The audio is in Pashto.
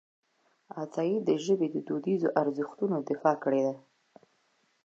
عطایي د ژبې د دودیزو ارزښتونو دفاع کړې ده.